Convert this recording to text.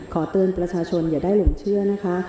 ขอเตือนประชาชนอย่าได้หลงเชื่อนะคะ